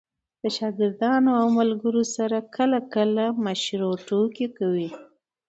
د شاګردانو او ملګرو سره کله – کله مشروع ټوکي کوئ!